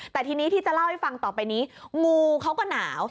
แต่ทีนี้ที่จะเล่าให้ฟังต่อไปนี้งูเขาก็หนาว